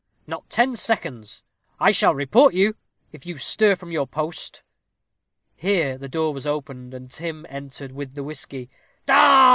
"Not ten seconds. I shall report you, if you stir from your post." Here the door was opened, and Tim entered with the whisky. "Arrah!